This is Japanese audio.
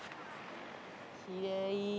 きれい！